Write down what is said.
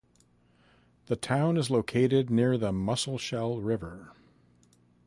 The town is located near the Musselshell River.